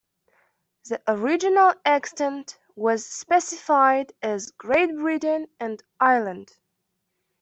The original extent was specified as "Great Britain" and "Ireland".